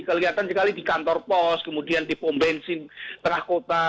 kelihatan sekali di kantor pos kemudian di pom bensin tengah kota